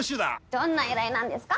どんな依頼なんですか？